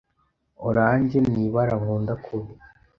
Orange ni ibara nkunda kubi